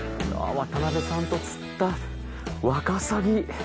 渡辺さんと釣ったワカサギ。